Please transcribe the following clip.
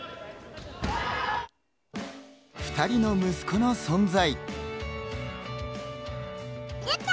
２人の息子の存在。